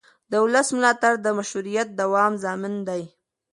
د ولس ملاتړ د مشروعیت دوام ضامن دی